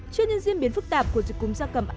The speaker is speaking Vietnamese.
trước những diễn biến phức tạp của dịch cúm gia cầm